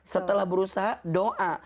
setelah berusaha doa